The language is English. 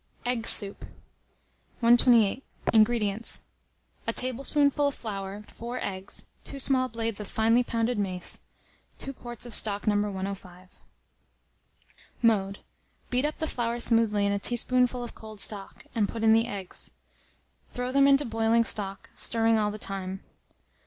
EGG SOUP. 128. INGREDIENTS. A tablespoonful of flour, 4 eggs, 2 small blades of finely pounded mace, 2 quarts of stock No. 105. Mode. Beat up the flour smoothly in a teaspoonful of cold stock, and put in the eggs; throw them into boiling stock, stirring all the time.